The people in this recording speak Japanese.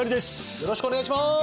よろしくお願いします